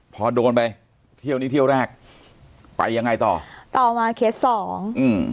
พอโดนไปเที่ยวนี้เที่ยวแรกไปยังไงต่อต่อมาเคสสองอืม